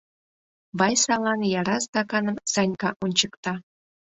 — Вайсалан яра стаканым Санька ончыкта.